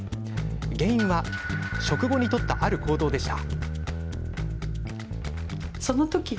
原因は、食後に取ったある行動でした。